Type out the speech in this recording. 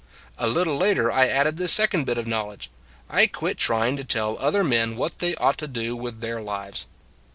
" A little later I added this second bit of knowledge. I quit trying to tell other men what they ought to do with their lives.